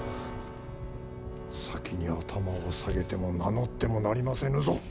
先に頭を下げても名乗ってもなりませぬぞ。